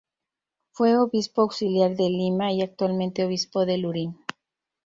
Fue Obispo Auxiliar de Lima y actualmente Obispo de Lurín.